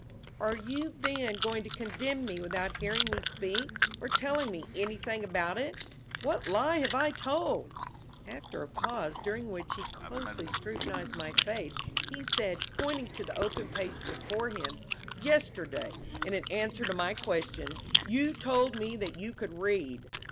"Are you, then, going to condemn me without hearing me speak, or telling me anything about it? What lie have I told?" After a pause, during which he closely scrutinized my face, he said, pointing to the open page before him: "Yesterday, in answer to my question, you told me that you could read.